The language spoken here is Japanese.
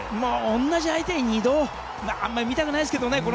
同じ相手に２度あまり見たくないですけどね。